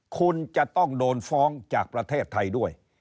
คุณจะต้องโดนฟ้องจากประเทศไทยด้วย